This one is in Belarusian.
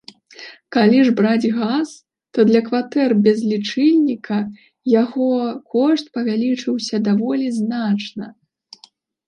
Калі ж браць газ, то для кватэр без лічыльніка яго кошт павялічыўся даволі значна.